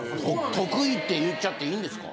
・得意って言っちゃっていいんですか？